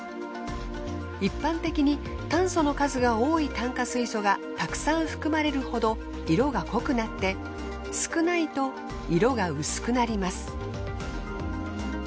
一般的に炭素の数が多い炭化水素がたくさん含まれるほど色が濃くなって少ないと色が薄くなります。